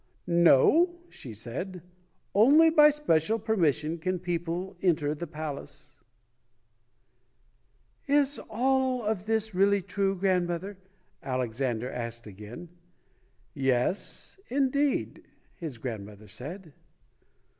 "No", she said, "only by special permission can people enter the palace." 108 ] UNSUNG HEROES "Is all of this really true, grandmother?" Alex ander asked again. "Yes, indeed", his grandmother said.